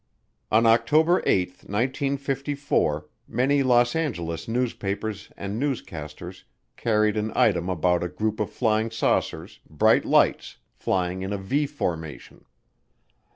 On October 8, 1954, many Los Angeles newspapers and newscasters carried an item about a group of flying saucers, bright lights, flying in a V formation.